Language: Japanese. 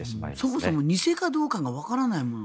そもそも偽かどうかわからないもの。